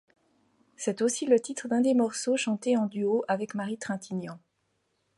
C'est aussi le titre d'un des morceaux, chanté en duo avec Marie Trintignant.